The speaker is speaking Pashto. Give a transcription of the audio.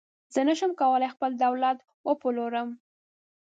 زه نشم کولای خپل دولت وپلورم.